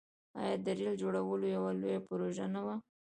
آیا د ریل جوړول یوه لویه پروژه نه وه؟